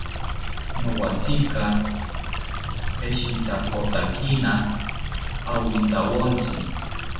Nowatzinka eshitakotakina awintawontzi